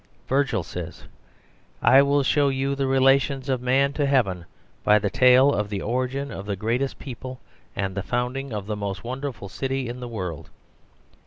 Virgil says, "I will show you the relations of man to heaven by the tale of the origin of the greatest people and the founding of the most wonderful city in the world."